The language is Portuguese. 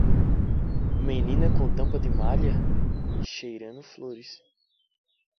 Menina com tampa de malha? cheirando flores.